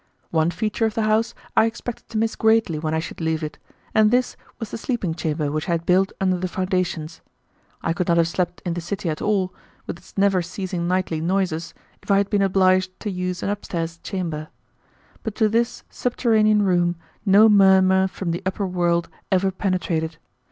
One feature of the house I expected to miss greatly when I should leave it, and this was the sleeping chamber which I had built under the foundations. I could not have slept in the city at all, with its never ceasing nightly noises, if I had been obliged to use an upstairs chamber. But to this subterranean room no murmur from the upper world ever penetrated.